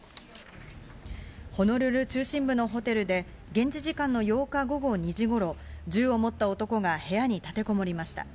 ホノルル中心部のホテルで現地時間の８日午後２時頃、銃を持った男が部屋に立てこもりました。